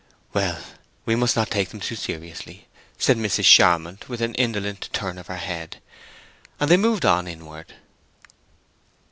"Well, we must not take them too seriously," said Mrs. Charmond, with an indolent turn of her head, and they moved on inward.